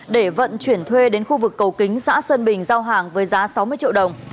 để vận chuyển thuê đến khu vực cầu kính xã sơn bình giao hàng với giá sáu mươi triệu đồng